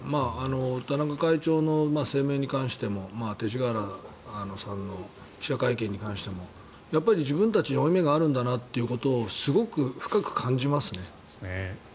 田中会長の声明に関しても勅使河原さんの記者会見に関しても自分たちに負い目があるんだということを深く感じますね。